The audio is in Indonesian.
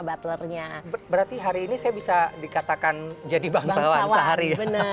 butlernya berarti hari ini saya bisa dikatakan jadi bangsawan sehari